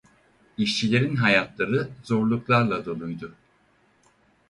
İşçilerin hayatları zorluklarla doluydu.